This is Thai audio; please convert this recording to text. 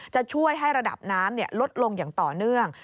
จะช่วยให้ระดับน้ำลดลงอย่างต่อเนื่อง